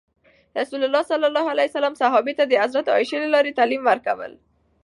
رسول الله ﷺ صحابه ته د حضرت عایشې له لارې تعلیم ورکول.